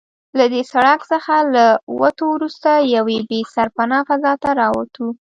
له دې سړک څخه له وتو وروسته یوې بې سرپنا فضا ته راووتو.